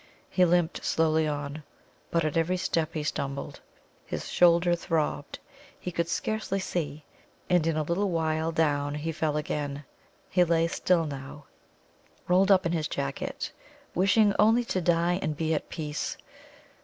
He limped slowly on. But at every step he stumbled. His shoulder throbbed. He could scarcely see, and in a little while down he fell again. He lay still now, rolled up in his jacket, wishing only to die and be at peace.